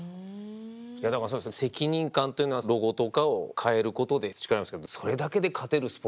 だから責任感というのはロゴとかを変えることで培われますけどそれだけで勝てるスポーツじゃないですよね。